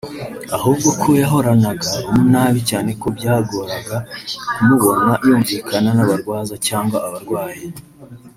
ahubwo ko yahoranaga umunabi cyane ko byagoraga kumubona yumvikana n’abarwaza cyangwa abarwayi